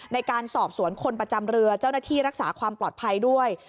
ในการสอบสวนคนประจำเรือเจ้าหน้าที่รักษาความปลอดภัยด้วย